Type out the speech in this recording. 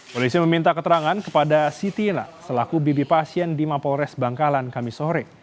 polisi meminta keterangan kepada siti ina selaku bibi pasien di mapolres bangkalan kamisore